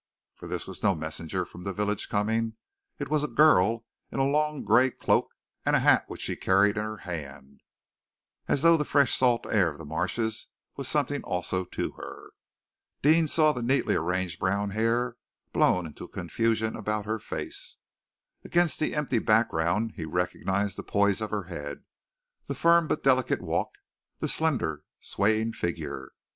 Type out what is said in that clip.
For this was no messenger from the village coming. It was a girl in a long gray cloak, and a hat which she carried in her hand, as though the fresh salt air of the marshes was something also to her. Deane saw the neatly arranged brown hair blown into confusion about her face. Against the empty background he recognized the poise of her head, the firm but delicate walk, the slender, swaying figure.